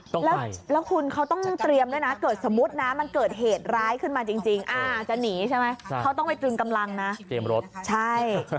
แล้วคุณเขาต้องเตรียมด้วยนะเกิดสมมุตินะมันเกิดเหตุร้ายขึ้นมาจริงจะหนีใช่ไหมเขาต้องไปตรึงกำลังนะเตรียมรถใช่